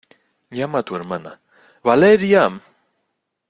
llama a tu hermana. ¡ Valeria!